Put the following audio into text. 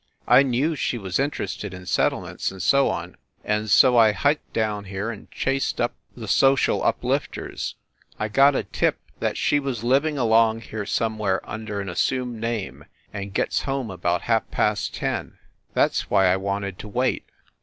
I knew she was interested in settlements and so on, and so I hiked down here, and chased up the Social ii4 FIND THE WOMAN Uplifters. I got a tip that she was living along here somewhere under an assumed name, and gets home about half past ten. That s why I wanted to wait.